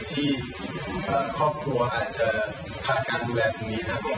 ที่ครอบครัวอาจจะขาดการดูแลตรงนี้ครับ